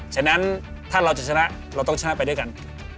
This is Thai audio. ฉะนั้นถ้าเราจะชนะเราต้องชนะไปด้วยกัน